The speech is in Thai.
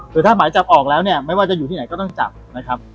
คือถ้าหมายจับออกแล้วเนี่ยไม่ว่าจะอยู่ที่ไหนก็ต้องจับนะครับ